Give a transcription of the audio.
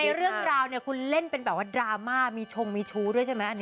เรื่องราวเนี่ยคุณเล่นเป็นแบบว่าดราม่ามีชงมีชู้ด้วยใช่ไหม